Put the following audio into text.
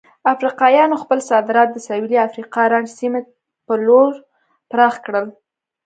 افریقایانو خپل صادرات د سویلي افریقا رنډ سیمې په لور پراخ کړل.